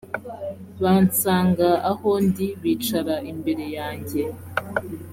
bansanga aho ndi bicara imbere yanjye